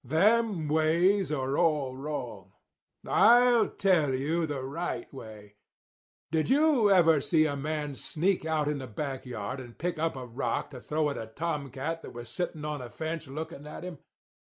Them ways are all wrong. "I'll tell you the right way. Did you ever see a man sneak out in the back yard and pick up a rock to throw at a tomcat that was sitting on a fence looking at him?